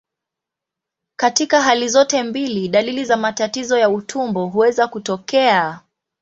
Katika hali zote mbili, dalili za matatizo ya utumbo huweza kutokea.